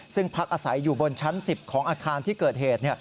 ซึ่งพักอาศัยอยู่บนชั้น๑๐ของอาคารที่เกิดเหตุ